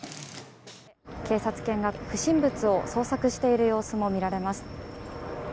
警察犬が不審物を捜索している様子も見られます。